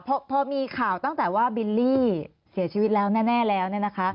เพราะพอมีข่าวตั้งแต่ว่าบิลลี่เสียชีวิตแล้วแน่แล้ว